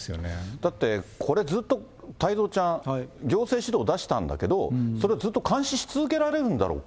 だって、これ、ずっと、太蔵ちゃん、行政指導出したんだけども、それずっと監視し続けられるんだろうか。